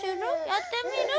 やってみる？